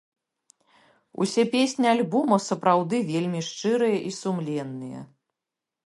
Усе песні альбома сапраўды вельмі шчырыя і сумленныя.